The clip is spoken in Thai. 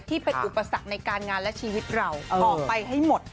ที่เป็นอุปสรรคในการงานและชีวิตเราออกไปให้หมด